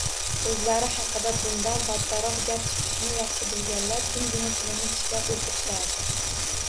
O`zlari haqida bundan battarroq gap chiqishini yaxshi bilganlar jimgina tilini tishlab o`tirishardi